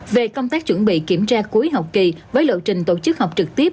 về công tác chuẩn bị kiểm tra cuối học kỳ với lộ trình tổ chức học trực tiếp